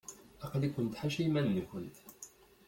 Aql-ikent ḥaca iman-nkent.